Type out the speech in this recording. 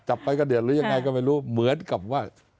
จะไปกระเดือดหรือยังไงก็ไม่รู้เหมือนกับว่า